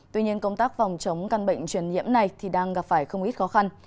tuy nhiên công tác phòng chống căn bệnh truyền nhiễm này thì đang gặp phải không ít khó khăn